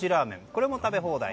これも食べ放題。